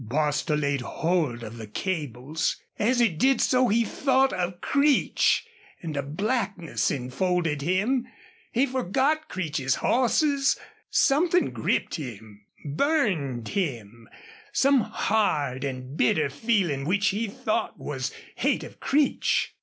Bostil laid hold of the cables. As he did so he thought of Creech and a blackness enfolded him. He forgot Creech's horses. Something gripped him, burned him some hard and bitter feeling which he thought was hate of Creech.